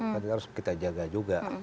tapi harus kita jaga juga